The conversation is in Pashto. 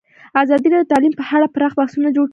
ازادي راډیو د تعلیم په اړه پراخ بحثونه جوړ کړي.